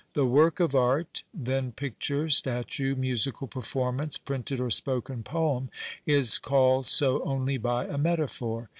" The ' work of art,' then, picture, statue, musical pcrformauee, printed or sjwken poem, is called so only by a metaphor.